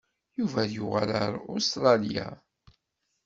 Yuba yuɣal ar Ustṛalya.